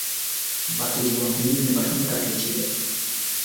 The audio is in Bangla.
বাকি জীবন তিনি নির্বাসনে কাটিয়েছিলেন।